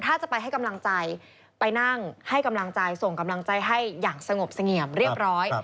ถ้าจะไปให้กำลังใจไปนั่งให้กำลังใจส่งกำลังใจให้อย่างสงบเสงี่ยมเรียบร้อย